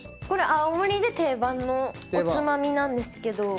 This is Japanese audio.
これ青森で定番のおつまみなんですけど。